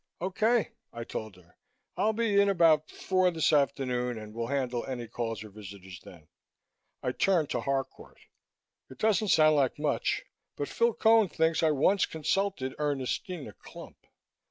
"Okay," I told her. "I'll be in about four this afternoon and will handle any calls or visitors then." I turned to Harcourt. "It doesn't sound like much but Phil Cone thinks I once consulted Ernestina Clump.